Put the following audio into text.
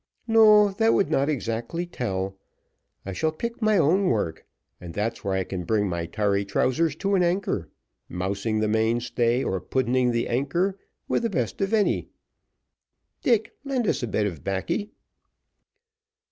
"No, that would not exactly tell; I shall pick my own work, and that's where I can bring my tarry trousers to an anchor mousing the mainstay, or puddening the anchor, with the best of any. Dick, lend us a bit of 'baccy."